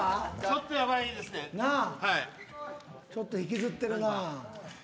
ちょっと引きずってるな。